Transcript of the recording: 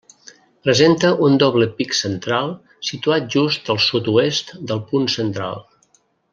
Presenta un doble pic central situat just al sud-oest del punt central.